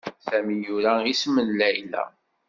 Sami yura isem n Layla.